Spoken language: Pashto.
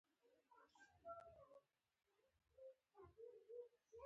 هغوی د بدلون چانس ضایع کړ.